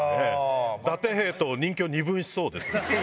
ダテ兵と人気を二分しそうです。